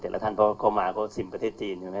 เจ็ดละท่านเพราะเขามาก็สิมประเทศจีน